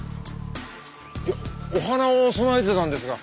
いやお花を供えてたんですが。